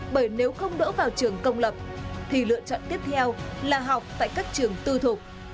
bởi nếu không đỗ vào trường công lập thì lựa chọn tiếp theo là học tại các trường tư thục